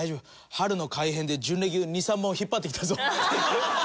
春の改編で準レギュ２３本引っ張ってきたぞ。